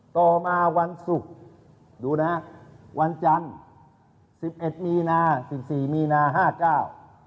ต่อมาวันศุกร์ดูนะฮะวันจันทร์สิบเอ็ดมีนาสิบสี่มีนาห้าเก้า